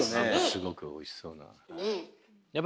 すごくおいしそうな。